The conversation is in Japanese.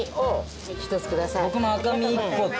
僕も赤身１個と。